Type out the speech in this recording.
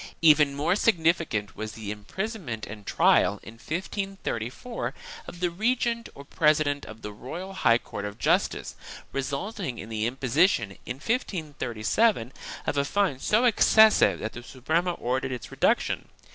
Even more significant was the imprisonment and trial, in 1534, of the regent or president of the royal high court of justice, resulting in the imposition, in 1537, of a fine so excessive that the Suprema ordered its reduc tion.